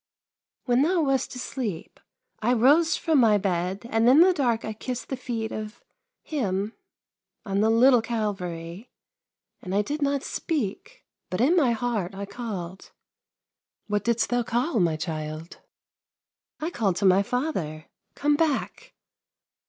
" When thou wast asleep, I rose from my bed, and in the dark I kissed the feet of — Him — on the little Calvary, and I did not speak, but in my heart I called." " What didst thou call, my child ?"" I called to my father :' Come back